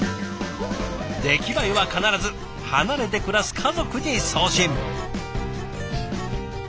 出来栄えは必ず離れて暮らす家族に送信。